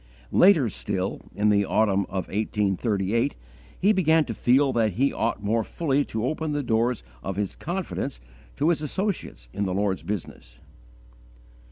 Later still, in the autumn of 1838, he began to feel that he ought more fully to open the doors of his confidence to his associates in the Lord's business.